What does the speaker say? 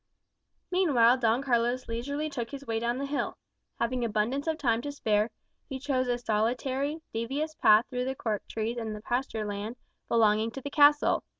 Meanwhile Don Carlos leisurely took his way down the hill. Having abundance of time to spare, he chose a solitary, devious path through the cork trees and the pasture land belonging to the castle.